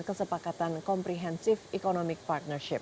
kesepakatan komprehensif economic partnership